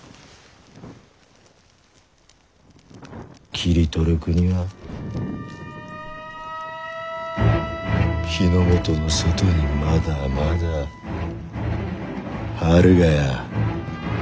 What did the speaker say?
切り取る国は日ノ本の外にまだまだあるがや。